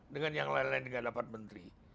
dengan yang lain lain dengan dapat menteri